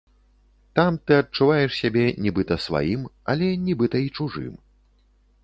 Там ты адчуваеш сябе нібыта сваім, але нібыта і чужым.